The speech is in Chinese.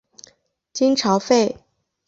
金朝废。